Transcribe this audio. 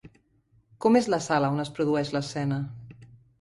Com és la sala on es produeix l'escena?